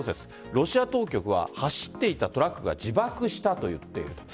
ロシア当局は走っていたトラックが自爆したと言っていると。